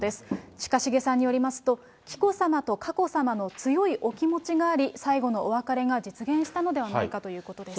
近重さんによりますと、紀子さまと佳子さまの強いお気持ちがあり、最後のお別れが実現したのではないかということです。